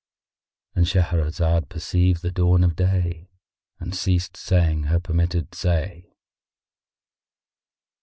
——And Shahrazad perceived the dawn of day and ceased saying her permitted say.